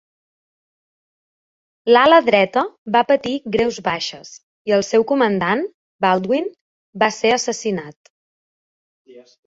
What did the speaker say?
L'ala dreta va patir greus baixes i el seu comandant, Baldwin, va ser assassinat.